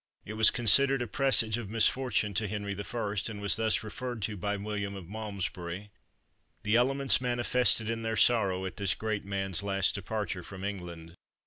It was considered a presage of misfortune to Henry I. and was thus referred to by William of Malmesbury:— "The elements manifested their sorrow at this great man's last departure from England.